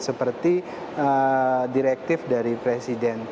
seperti direktif dari presiden